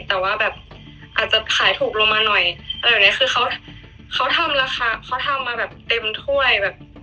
แต่ว่าแบบอาจจะขายถูกลงมาหน่อยอะไรแบบเนี้ยคือเขาเขาทำราคาเขาทำมาแบบเต็มถ้วยแบบ